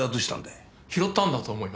拾ったんだと思います。